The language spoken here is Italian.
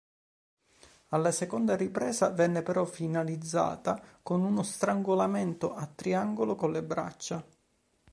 Alla seconda ripresa venne però finalizzata con uno strangolamento a triangolo con le braccia.